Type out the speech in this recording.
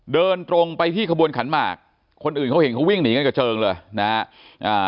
เดินตรงไปที่ขบวนขันหมากคนอื่นเขาเห็นเขาวิ่งหนีกันกระเจิงเลยนะฮะอ่า